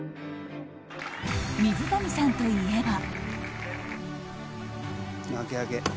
水谷さんといえば。